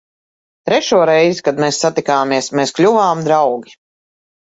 Trešo reizi, kad mēs satikāmies, mēs kļuvām draugi.